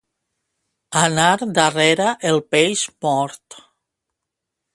Anar darrere el peix mort.